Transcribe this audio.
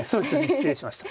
失礼しました。